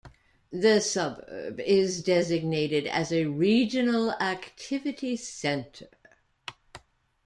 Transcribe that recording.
The suburb is designated as a regional activity centre.